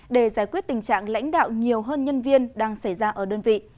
để giải quyết tình trạng lãnh đạo nhiều hơn nhân viên đang xảy ra ở đơn vị